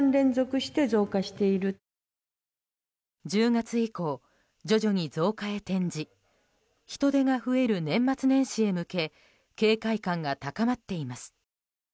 １０月以降、徐々に増加に転じ人出が増える年末年始へ向け警戒感が高まっています。